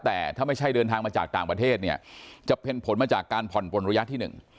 แต่ถ้าไม่ใช่เดินทางมาจากต่างประเทศเนี่ยจะเป็นผลมาจากการผ่อนปนระยะที่หนึ่ง